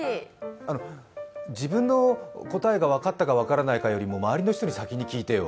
自分の答えが分かったか分からないかよりも、周りの人に先に聞いてよ。